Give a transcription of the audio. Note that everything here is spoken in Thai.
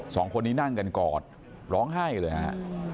สองคนนี้นั่งกันกอดร้องไห้เลยฮะ